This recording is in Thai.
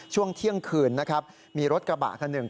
ช่วงเที่ยงคืนนะครับมีรถกระบะคันหนึ่ง